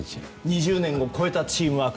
２０年を超えたチームワーク